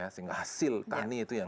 sehingga hasil tani itu yang